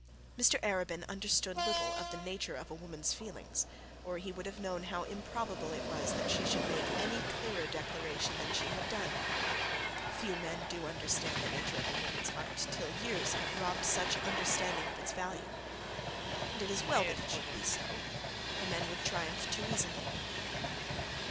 Mr Arabin understood little of the nature of a woman's feelings, or he would have known how improbable it was that she should make any clearer declarations than she had done. Few men do understand the nature of a woman's heart, till years have robbed such understanding of its value. And it is well that it should be so, or men would triumph too easily.